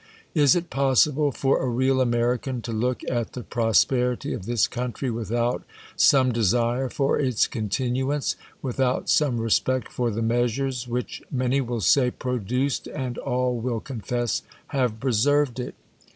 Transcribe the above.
Is it possible for a real American to look at the prosperity of this coun try without some desire for its continuance, without some respect for the measures, which, many ^^'>^^A^y» produced, and all will confess, have preserved it